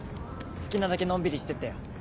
好きなだけのんびりしてってよ。